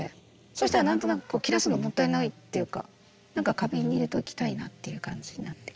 そうしたら何となく切らすのもったいないっていうか何か花瓶に入れときたいなっていう感じになって。